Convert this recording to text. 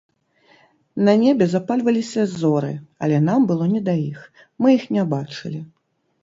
На небе запальваліся зоры, але нам было не да іх, мы іх не бачылі.